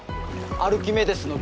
アルキメデスの原理。